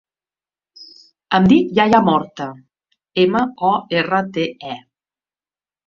Em dic Yahya Morte: ema, o, erra, te, e.